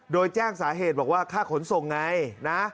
โดยแจ้งสาเหตุบอกว่าค่าขนส่งไงนะ